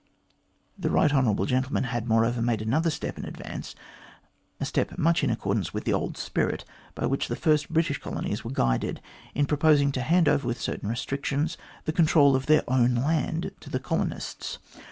The right hon. gentleman had, moreover, made another step in advance, a step much in accordance with the old spirit by which the first British colonies were guided, in proposing to hand over, with certain restrictions, the control of their own land to the colonists.